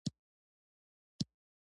ټیکنالوژي به د تصور حدونه مات کړي.